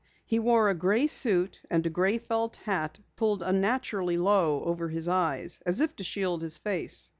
He wore a gray suit and a gray felt hat pulled unnaturally low over his eyes as if to shield his face.